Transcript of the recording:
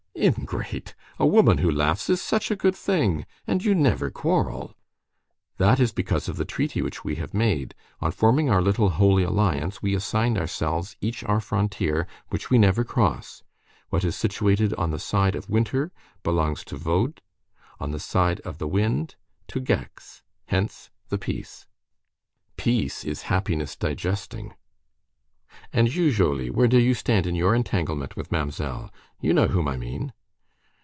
"Ingrate! a woman who laughs is such a good thing! And you never quarrel!" "That is because of the treaty which we have made. On forming our little Holy Alliance we assigned ourselves each our frontier, which we never cross. What is situated on the side of winter belongs to Vaud, on the side of the wind to Gex. Hence the peace." "Peace is happiness digesting." "And you, Jolllly, where do you stand in your entanglement with Mamselle—you know whom I mean?"